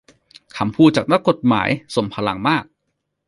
คำพูดจากนักกฎหมายทรงพลังมาก